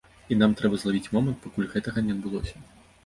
І нам трэба злавіць момант, пакуль гэтага не адбылося.